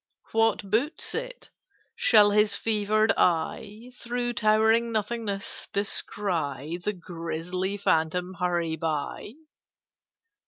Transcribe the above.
"What boots it? Shall his fevered eye Through towering nothingness descry The grisly phantom hurry by?